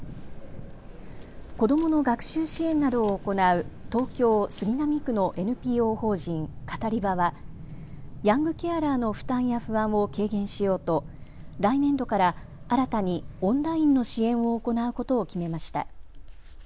子どもの学習支援などを行う東京杉並区のＮＰＯ法人カタリバはヤングケアラーの負担や不安を軽減しようと来年度から新たにオンラインの支援を行うことを決めました。